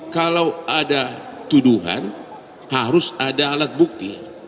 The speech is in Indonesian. kalau ada tuduhan harus ada alat bukti